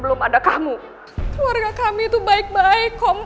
baru sejak ada kamu masuk ke dalam kehidupan kita kami sudah berhenti mempercayai kamu